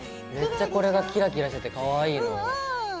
めっちゃこれがキラキラしててかわいいの。